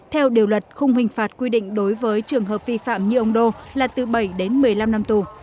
theo điều luật khung hình phạt quy định đối với trường hợp vi phạm như ông đô là từ bảy đến một mươi năm năm tù